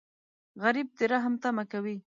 غریب د رحم تمه کوي